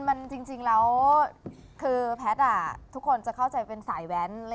มันจริงแล้วคือแพทย์ทุกคนจะเข้าใจเป็นสายแว้น